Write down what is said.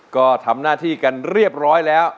ก็ทำหน้าที่กันเรียบร้อยแล้ว